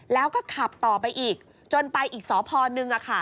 แล้วก็ขับต่อไปอีกจนไปอีกสพนึง